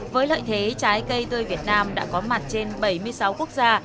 với lợi thế trái cây tươi việt nam đã có mặt trên bảy mươi sáu quốc gia